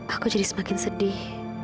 aku jadi semakin sedih